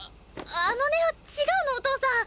あのね違うのお父さん。